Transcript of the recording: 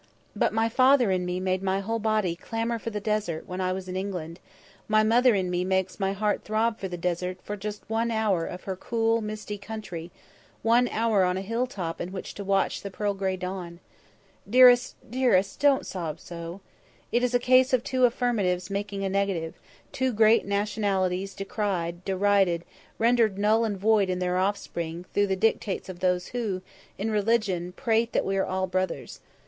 But my father in me made my whole body clamour for the desert when I was in England; my mother in me makes my heart throb in the desert for just one hour of her cool, misty country, one hour on a hill top in which to watch the pearl gray dawn. Dearest, dearest, don't sob so. It is a case of two affirmatives making a negative; two great nationalities decried, derided, rendered null and void in their offspring through the dictates of those who, in religion, prate that we are all brothers.